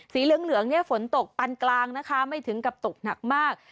สีเหลืองเนี่ยฝนตกปันกลางนะคะไม่ถึงกับตกหนักมาก